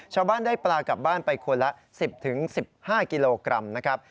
ชาวบ้านได้ปลากลับบ้านไปคนละ๑๐๑๕กิโลกรัมนะครับ